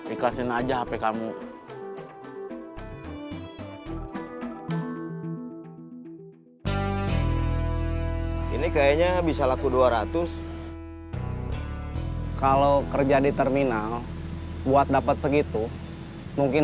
ikhlasin aja hp kamu ini kayaknya bisa laku dua ratus kalau kerja di terminal buat dapat segitu mungkin